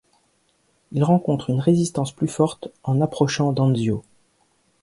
Il rencontre une résistance plus forte en approchant d’Anzio.